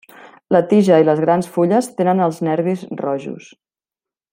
La tija i les grans fulles tenen els nervis rojos.